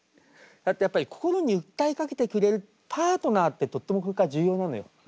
だってやっぱり心に訴えかけてくれるパートナーってとってもこれから重要なのよ。